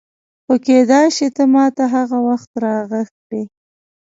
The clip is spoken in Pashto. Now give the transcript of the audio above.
خو کېدای شي ته ما ته هغه وخت راغږ کړې.